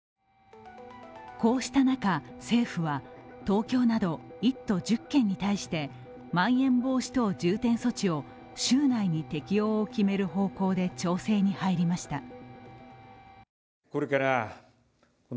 こうした中、政府は東京など１都１０県に対してまん延防止等重点措置を週内に適用を決める方向で調整に入りました。